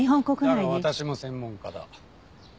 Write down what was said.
だが私も専門家だ。